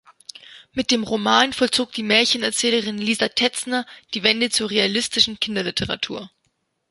Mit dem Roman vollzog die Märchenerzählerin Lisa Tetzner die Wende zur realistischen Kinderliteratur.